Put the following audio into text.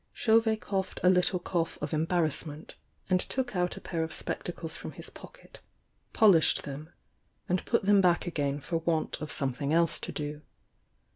Chauvet coughed a little cough of embarrassment, and took out a pair of spectacles from his pocket, polished them and put them back again for want of something else to do.